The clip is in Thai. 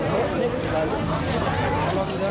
ร้านไหนร้านไหนร้านไหน